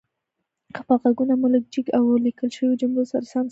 خپل غږونه مو لږ جګ او ليکل شويو جملو سره سم ساتئ